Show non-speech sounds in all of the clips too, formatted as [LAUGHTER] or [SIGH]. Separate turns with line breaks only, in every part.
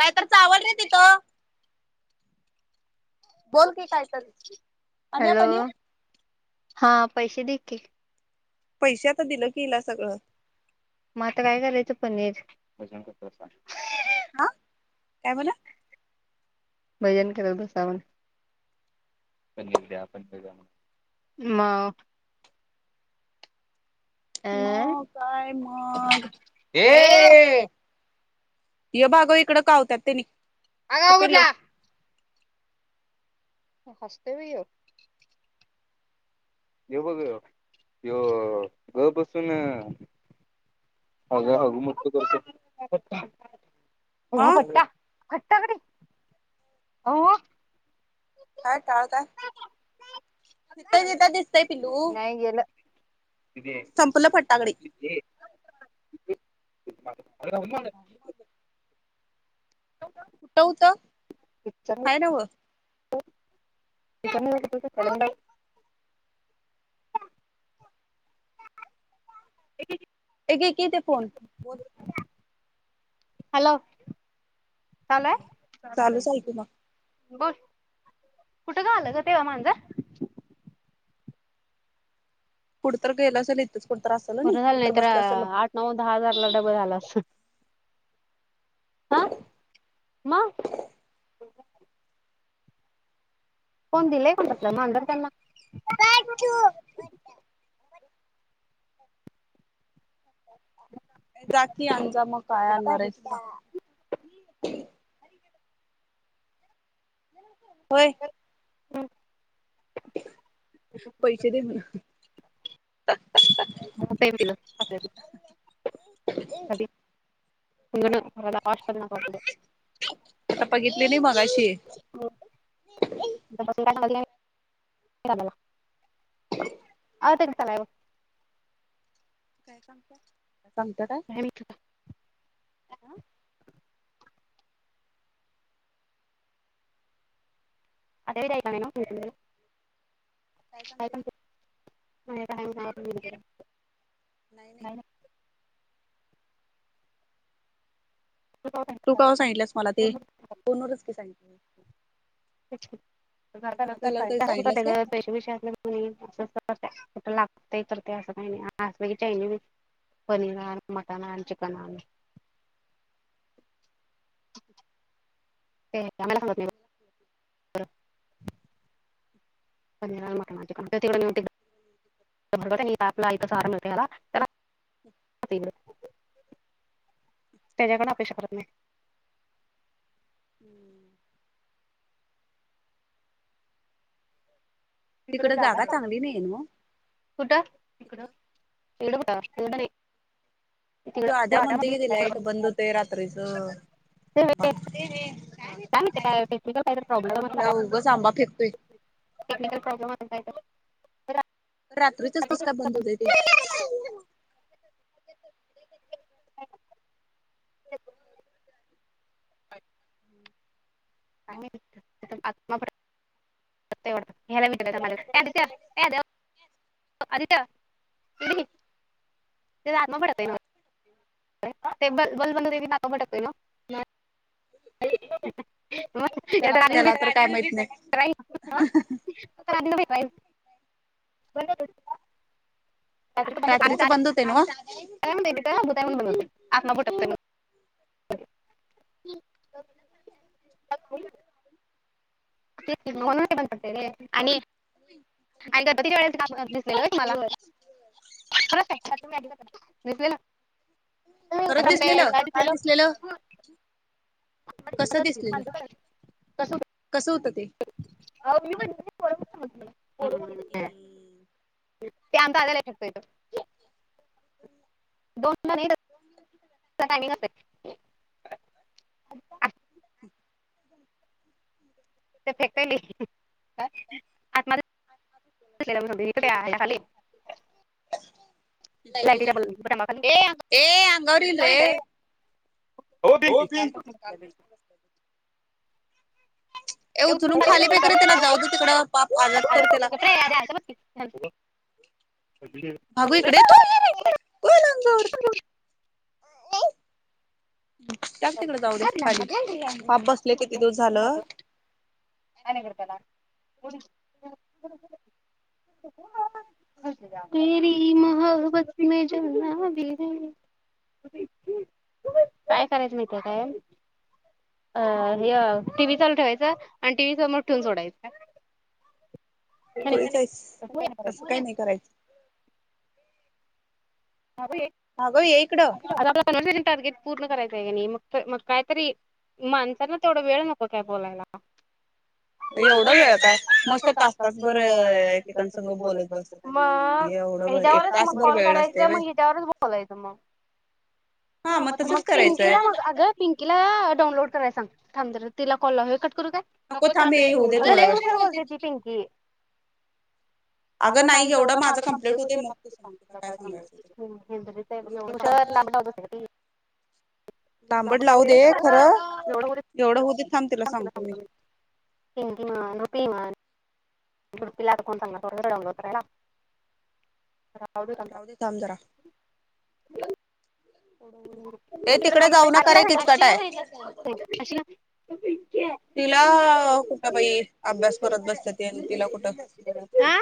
काय
नाहीतर
तरी
चांगलं
चावल रे
नाही
तिथं बोल की काय तर आणि
हॅलो
आपण ये
हा पैसे दे कि
पैशे आता दिलं की हीला सगळं
मग आता काय करायचं पनीर [INAUDIBLE]
आं काय बोला
भजन करत बसावं. [UNINTELLIGIBLE]
मग काय मग
ए
हे. ह भाग इकडं कावतात तेनी
आगाव कुठला हसते बी‌ ह्यो हे बघ त्यो घर बसून हो [UNINTELLIGIBLE]
हा
[INAUDIBLE] थट्टा करी हो
काय चाळताय? दिसतंय पिल्लु.
नाही गेलं
संपलं फटाकडे ह [INAUDIBLE]
[INAUDIBLE]
[INAUDIBLE] कुठं होतं?
हॅलो
हाय न व
[INAUDIBLE] [INAUDIBLE]
हे घे की ते फोन
हॅलो. चालु आहे?
चालूच आहे की मग
बोल कुठं ग? आलं ग तेव्हा मांजर?
कुठंतरी गेला असल
बरं झालं. नाही तर, आठ नऊ दहा हजारला डबं झालं असत. हा? मग कोण दिलाय कोणपतलं मधर त्यांना [INAUDIBLE]
जा की आण जा मग काय आणणार अिकडे [INAUDIBLE] होय-
हम्.
पैसे दे म्हणा.
कुठे येतील [INAUDIBLE] [INAUDIBLE]
आता बघितले नाही मघाशी
[INAUDIBLE] [UNINTELLIGIBLE]
काय सांगता? [UNINTELLIGIBLE]
[INAUDIBLE]
काय सांगतील
[INAUDIBLE]
नाही नाही. तू कव्हा सांगितलंस मला ते? फोनवरच की सांगित
[UNINTELLIGIBLE] [INAUDIBLE] कुठ
सांगितलंस काय
लागतय करतेय. अस काही नाही - पनीर आण, मटन आण, चिकन आण.
[INAUDIBLE]
ते कमला [UNINTELLIGIBLE]
हठी [UNINTELLIGIBLE]
[UNINTELLIGIBLE] [UNINTELLIGIBLE] त्याच्याकडून अपेक्षा करत नाही.
हम्म.
तिकड जागा चागली नाही [UNINTELLIGIBLE] कुठं? तिकड.
तिकडं
तिकडं कुठं? उडने [UNINTELLIGIBLE]
तो आद्या म्हणतोय कि ते लाईट बंद होतय रात्रीच. ते रे-
काय माहित काय? टेक्निकल काहीतरी
काय
प्रॉब्लेम-
उगच आंबा फेकतोय
टेक्निकल प्रॉब्लेम आहे काय तर-
रात्रीचच कस काय बंद होतय ते
[INAUDIBLE] [INAUDIBLE] [UNINTELLIGIBLE] [UNINTELLIGIBLE] [UNINTELLIGIBLE] ते आदमापुरात आहे वो. [UNINTELLIGIBLE] [UNINTELLIGIBLE] आधीच
त्याला तर काय माहित नाही.
[UNINTELLIGIBLE] आणि
रात्रीच बंद होतय नव्ह.
[UNINTELLIGIBLE]
[INAUDIBLE]
तेच कि म्हणुनच ते बंद पडतय रे.
[UNINTELLIGIBLE]
आणि त वेळेस का दिस मला
खरंच दिसलेलं काय
[UNINTELLIGIBLE] [UNINTELLIGIBLE]
दिसलेलं
[UNINTELLIGIBLE]
कसं दिसलेलं कसं होतं ते?
[UNINTELLIGIBLE] [UNINTELLIGIBLE] ते आमचा आयला शिकत येत दोन टामिंग असतय.
[INAUDIBLE]
[UNINTELLIGIBLE] [UNINTELLIGIBLE]
लाईटिच
लाईटीच्या बटनाखाली ए
बल ए अंगावरल रे.
हो दिलकि
ए उचलून खाली फेक रे त्याला जाऊ दे तिकड पाप आजद कर त्याला
कपडे आले, आले बघ की.
भागू इकडे तू येरे येईल अंगावर टाक तिकड जाऊ दे
घातला
खाली पाप बसलय किती दिवस झालं.
आण इकड त्याला [UNINTELLIGIBLE] तेरी मोहोब्बत मे जलना भी है. काय करायचं माहिती आहे काय अ हे टी व्ही चालू ठेवायचं. टी व्ही समोर ठेवून सोडायचं.
पुढे जायच तसं काही नाही करायचं.
े
अगं ये इकडं
[UNINTELLIGIBLE] पूर्ण करायचं आहे क नाही मग मग कायतरी माणसाना तेवढं वेळ नको काय बोलायला.
[UNINTELLIGIBLE] एवढं आहे का मस्त तास-तास बरं एकेकांसग बोलत बसतात आणि एवढं. एक-एक तास बर वेळ
ते
नसते व्हय.
मग याच्यावरच बोलायचं मग हा
मग
मग-मग
तसंच करायचंय.
पिंकीला मग अगं पिंकीला डाउनलोड करायला सांग थांब जरा तिला कॉल लावु [UNINTELLIGIBLE] कट करू काय- नको थांब
हे होऊ दे
अग
थोडा
लई उशीरा बोलते
वेळ.
ती पिंकी अगं नाही एवढं माझा कंप्लीट होतय मग तु सांग तुला काय सांगायचं.
एवढं सांग
[UNINTELLIGIBLE]
लांबड लावू दे खरं एवढं होऊ दे थांब तिला
[UNINTELLIGIBLE]
सांगतो मी
[UNINTELLIGIBLE] [UNINTELLIGIBLE]
राहु देे थांब जरा. ए तिकडं जाऊ नका
आशिला
रे किचकट आहे.
सांगितलं. आशिला.
तिला कुठं बई अभ्यास करत बसतेत अन् तिला कुठं [UNINTELLIGIBLE]
हा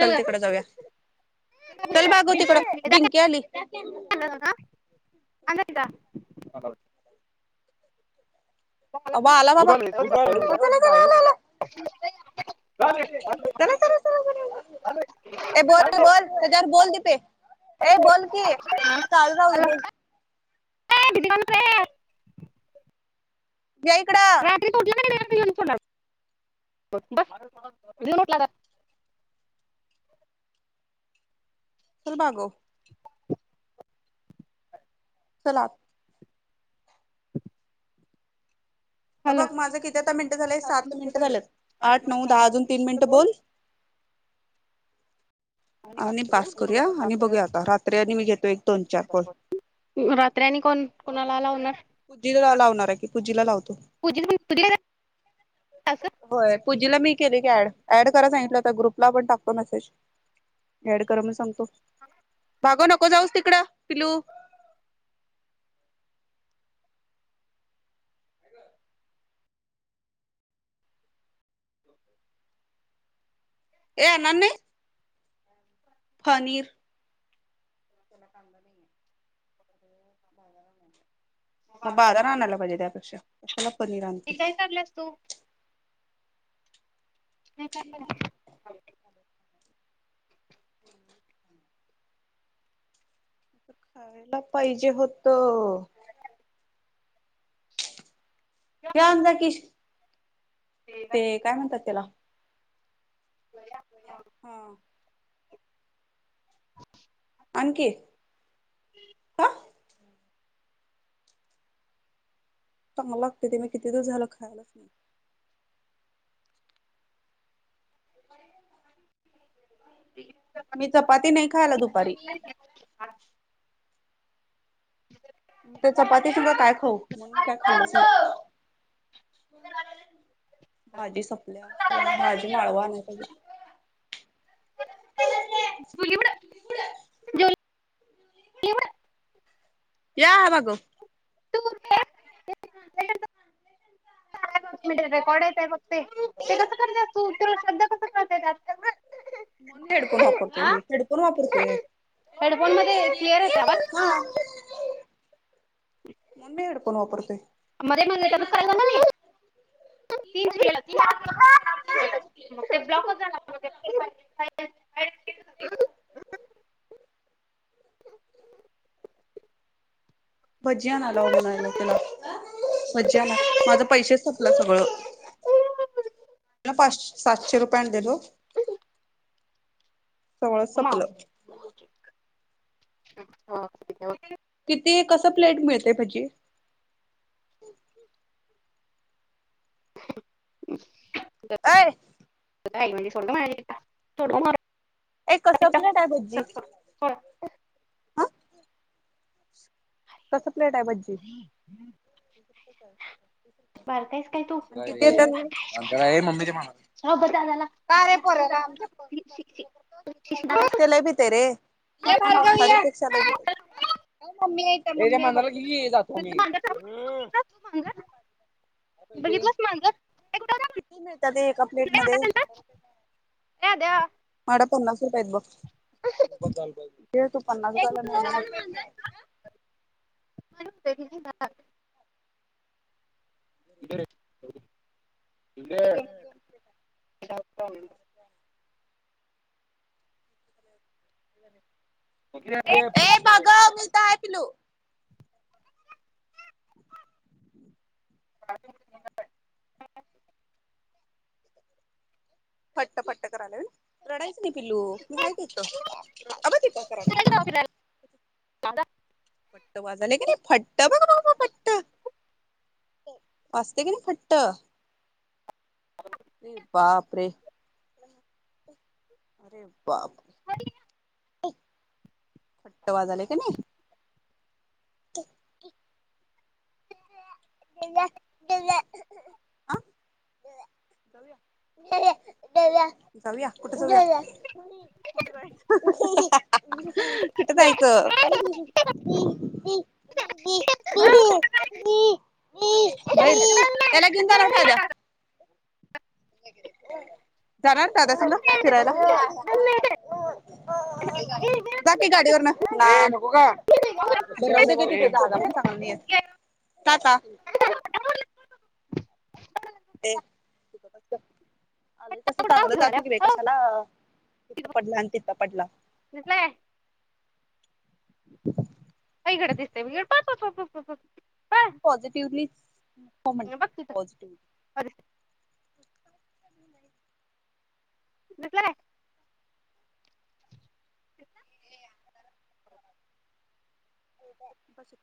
चल तिकडे जाऊया.
ए,
चल बाबु तिकडं
दादा
बिंकी आली.
अलाय का? आला
अ बा आला बाबा
उघड
[UNINTELLIGIBLE]
रे.
[UNINTELLIGIBLE] चला-चला-चला-चला ए बोल -बोल तुझ्यावर बोल तीथे ए बोल की चालू झालं
हॅलो ए,
बोल.
[UNINTELLIGIBLE]
या इकडं
रात्रीत उठल्या की नाही? तुला [UNINTELLIGIBLE]
[INAUDIBLE] चलभागो चला
[INAUDIBLE]
अं
हॅलो
बघ माझं किती आता मिनिटं झाले सात मिनिटं झालेत आठ नऊ दहा अजून तीन मिनिटं
कोण
बोल. [INAUDIBLE] [INAUDIBLE] आणि पास करूया आणि बघूया आता रात्री आणि मी घेतोय एक दोन चार कोल.
रात्री आणि कोण कोणाला लावणा?
पुजीला लावणार आहे की पुजीला लावतो.
पूजी तुझी काय असं
होय पूजेला मी केले ग ऍड-ऍड करा सांगितलं ता ग्रुपला पण टाकतो मेसेज ऍड करा म्हुन सांगतो.
[UNINTELLIGIBLE]
अग नको जाऊस तिकडं पिल्लू. ए नंदनी फनीर त्याला कामधा नाहीये [UNINTELLIGIBLE] मग बाराणे आणायला पाहिजे त्यापेक्षा कशाला पनीर
ते
आणती.
काय काढल्यास तू नाही
[UNINTELLIGIBLE] [UNINTELLIGIBLE] खायला पाहिजे होतं. एक आणि जा कीश ते काय म्हणतात त्याला
बया
हा.
[INAUDIBLE]
आण की. का मला लागते ते मी किती तू झाल खायलाच नाही. [INAUDIBLE]
ते
मी चपाती नाही खायला दुपारी. ते चपाती सुद्धा काय खाऊ म्हण मी काय खालच नाही. भाजी संपल्या भाजी माळवा नाही.
धुलीवूड
या हा बाघो.
रेकॉर्ड येतय फक् ते कसं करत? असतो उत्तर शब्द कसं करतय?
म्हण हेडकून वापरते
हा
म हेडकन वापरतेय.
हेडफोन मध्ये क्लिअर येतेय आवाज?
म्हणून मी हेडफोन वापरतोय.
[UNINTELLIGIBLE] [UNINTELLIGIBLE]
[UNINTELLIGIBLE] भजी आणायलाव मनायला तिला. भजी आणायला, माझं पैसेच संपला सगळं. पाच, सातशे रुपये आणलेलो. सगळंच संपलं.
[UNINTELLIGIBLE]
किती कसं प्लेट मिळते भजी?
[INAUDIBLE]
अय
[UNINTELLIGIBLE]
एक कसं प्लेट आहे भजी? कस प्लेट आहे भजी?
बारकायस काय तू
किती येतात?
दादाला
ते लाई भीतय रे. [UNINTELLIGIBLE] ये ते मांजराला घे की जातो मी. पाहिजे?
बघितलास मांजर? ते कुठं होतं?
किती मिळतात एका प्लेट
लय
मध्ये?
मोठा त्यांचा? ए द्या.
माझ्याकडं पन्नास रुपय आहेत बघ. ते तू पन्नास
एक होतं,
झाला [UNINTELLIGIBLE]
[UNINTELLIGIBLE] इकड ये. की नाही? एक
ये भगव मी इथं आहे पिल्लू.
[UNINTELLIGIBLE]
फट्ट फट्ट करायला रडायचं नाही. पिल्लू मी
नाही.
हाय की हित.
तुला
अब ती काय करालया?
कांदा.
वाजाले की नाही फट्ट बघ [UNINTELLIGIBLE] फट्ट. वाजते की नाही फट्ट. बापरे. बाप.
[UNINTELLIGIBLE]
खट्ट वाजलय क नाही. ते. [UNINTELLIGIBLE] जाऊया, कुठ जाऊया? कुठं जायचं? [INAUDIBLE] बाहिर याला घेऊन जा रे शैद्या. [UNINTELLIGIBLE] जाणार दादा सग फिरायला, जाकी गाडीवर. [UNINTELLIGIBLE] ता ता. ते. आले तस चांगलं जात की बाई कशाला तिथ पडला आणि तिथ पडला.
दिसलंय.
[INAUDIBLE]
इकडं दिसतंय पळ पळ पळ.
पण पॉझिटिव्हली हो
बघ बघ
म्हणते,
तिथं
पॉझिटिव्हली
दिसलाय
[UNINTELLIGIBLE]